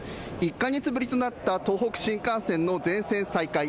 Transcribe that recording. １か月ぶりとなった東北新幹線の全線再開。